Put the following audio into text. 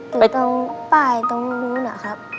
อยู่ตรงป้ายตรงนู้นนะครับ